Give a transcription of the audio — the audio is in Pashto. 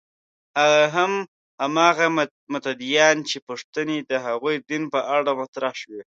هغه هم هماغه متدینان چې پوښتنې د هغوی دین په اړه مطرح شوې.